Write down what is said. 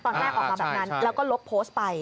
ตอนแรกออกมาแบบนั้นแล้วก็ลบโพสต์ไป